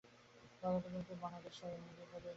গণপ্রজাতন্ত্রী বাংলাদেশের সংবিধানে কতটি অনুচ্ছেদ আছে?